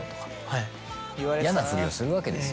嫌なフリをするわけです。